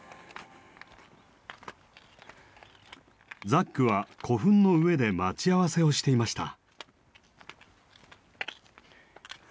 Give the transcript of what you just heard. ザックは古墳の上で待ち合わせをしていました。